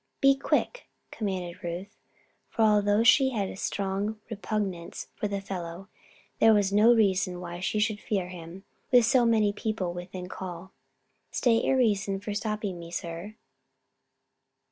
"Be quick," commanded Ruth, for although she had a strong repugnance for the fellow there was no reason why she should fear him, with so many people within call. "State your reason for stopping me, sir."